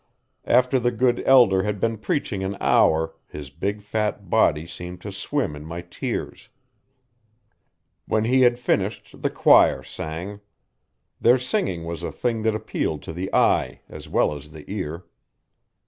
After the good elder had been preaching an hour his big, fat body seemed to swim in my tears. When he had finished the choir sang. Their singing was a thing that appealed to the eye as well as the ear.